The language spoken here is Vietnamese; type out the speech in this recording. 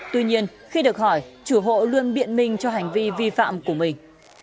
tuy nhiên khi được hỏi chủ hộ luôn biện minh cho hành vi vi phạm của mình